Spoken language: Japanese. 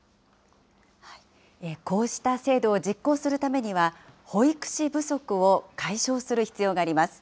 こうした制度を実行するためには、保育士不足を解消する必要があります。